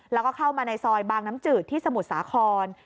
แล้วก็เข้ามาในซอยบางน้ำจืดที่สมุทรสาคร